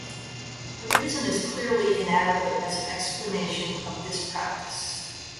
The reason is clearly inadequate as an explanation of this practice.